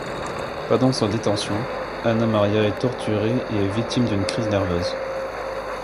Pendant sa détention, Anna Maria est torturée et est victime d'une crise nerveuse.